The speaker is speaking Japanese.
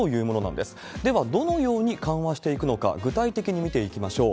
ではどのように緩和していくのか、具体的に見ていきましょう。